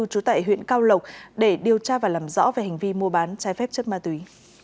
trú tại huyện cao lộc để điều tra và làm rõ về hành vi mua bán trái phép chất ma túy